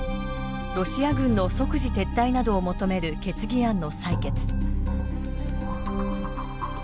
ロシア軍の即時撤退などを求める決議案の採決。